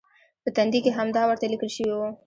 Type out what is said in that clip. په تندي کې همدا ورته لیکل شوي و.